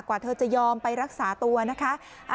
กว่าเธอจะยอมไปรักษาตัวนะคะ